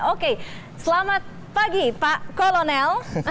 oke selamat pagi pak kolonel